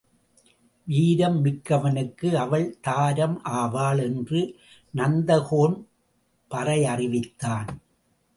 வீரம் மிக்கவனுக்கு அவள் தாரம் ஆவாள் என்று நந்தகோன் பறையறைவித்தான்.